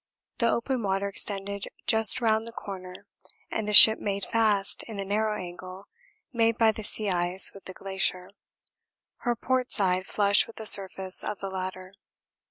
The open water extended just round the corner and the ship made fast in the narrow angle made by the sea ice with the glacier, her port side flush with the surface of the latter.